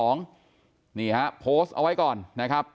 นี่ฮะโพสต์เอาไว้ก่อนนะครับ